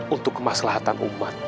untuk kemaslahatan umat